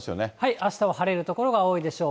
あしたは晴れる所が多いでしょう。